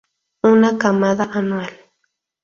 Una camada anual.